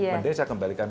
mending saya kembalikan